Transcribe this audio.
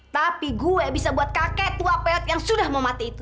tapi gue bisa buat kakek tua peot yang sudah memati itu